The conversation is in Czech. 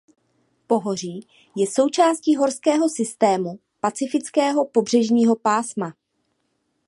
Pohoří je součástí horského systému Pacifického pobřežního pásma.